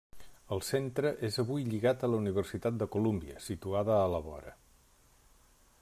El centre és avui lligat a la Universitat de Colúmbia situada a la vora.